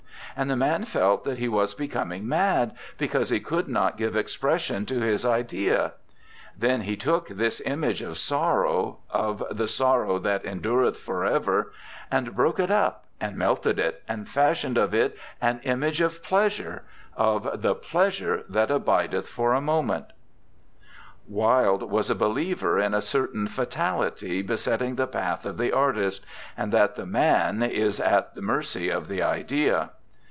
And the man felt that he was becoming mad, because he could not give expression to his idea. Then he took this image of Sorrow, of the Sorrow that endureth for Ever, and broke it up and melted it and fashioned of it an Image of Pleasure, of the Pleasure that abideth for a Moment.' Wilde was a believer in a certain fatality besetting the path of the artist, and that the Man is at the mercy of the Idea.